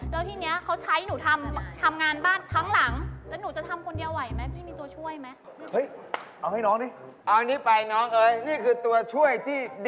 ต้องการอะไรกับพวกผมนี่นะเนี่ยคือบ้านมันใหญ่พี่มีตัวช่วยไหม